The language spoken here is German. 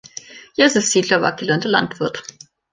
Josef Siedler war gelernter Landwirt.